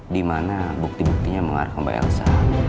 di mana bukti buktinya mengarahkan mbak elsa